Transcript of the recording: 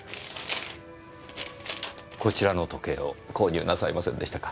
こちらの時計を購入なさいませんでしたか？